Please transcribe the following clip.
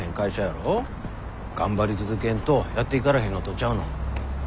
頑張り続けんとやっていかれへんのとちゃうの？